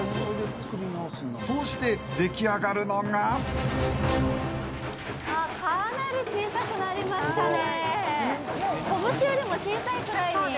そうして、でき上がるのがかなり小さくなりましたね。